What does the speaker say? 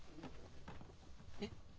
えっ？